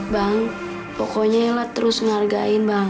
bang pokoknya lah terus ngargain bang